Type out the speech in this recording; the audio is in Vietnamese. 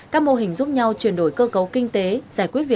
các mô hình giúp nhau chuyển đổi cơ cấu kinh tế giải quyết vấn đề